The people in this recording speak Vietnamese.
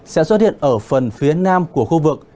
sẽ xuất hiện ở phần phía nam của khu vực